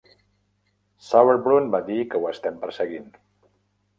Sauerbrun va dir que ho estem perseguint.